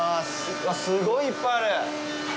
うわっ、すごいいっぱいある。